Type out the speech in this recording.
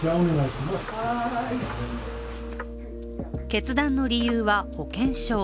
決断の理由は、保険証。